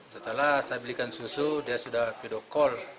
setelah saya belikan susu dia sudah video call